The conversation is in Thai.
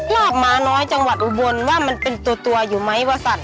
ลาบม้าน้อยจังหวัดอุบลว่ามันเป็นตัวอยู่ไหมว่าสัตว